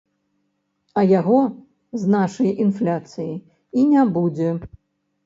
А яго, з нашай інфляцыяй, і не будзе.